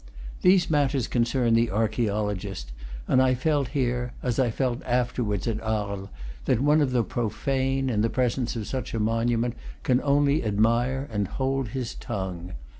These matters concern the archaeologist; and I felt here, as I felt afterwards at Arles, that one of the profane, in the presence of such a monument, can only admire and hold his tongue.